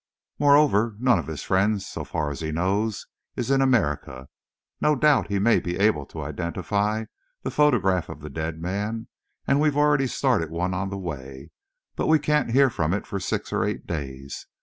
Moreover, none of his friends, so far as he knows, is in America. No doubt he may be able to identify the photograph of the dead man, and we've already started one on the way, but we can't hear from it for six or eight days.